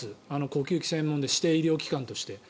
呼吸器専門の指定医療機関として。